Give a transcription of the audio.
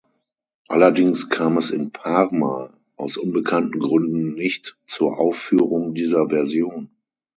Allerdings kam es in Parma aus unbekannten Gründen nicht zur Aufführung dieser Version.